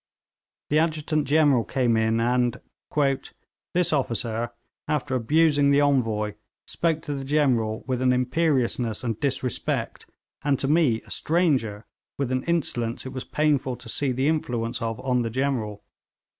The Adjutant General came in, and 'this officer, after abusing the Envoy, spoke to the General with an imperiousness and disrespect, and to me, a stranger, with an insolence it was painful to see the influence of on the General.